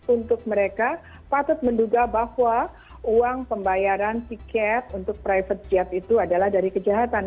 untuk mereka patut menduga bahwa uang pembayaran tiket untuk private jet itu adalah dari kejahatan